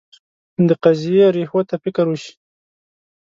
د قضیې ریښو ته فکر وشي.